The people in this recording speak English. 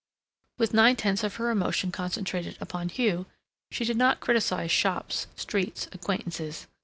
With nine tenths of her emotion concentrated upon Hugh, she did not criticize shops, streets, acquaintances